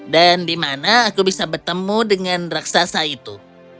dan di mana aku bisa bertemu dengan raksasa itu